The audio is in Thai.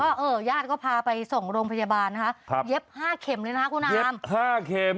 อย่างนี้ย่านก็พาไปส่งโรงพยาบาลนะคะเย็บห้าเข็มเลยนะครับคุณอาม